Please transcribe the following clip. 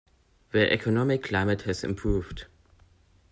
The economic climate has improved.